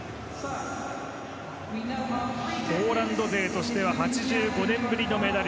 ポーランド勢としては８５年ぶりのメダル。